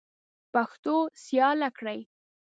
پښتو سیاله کړئ.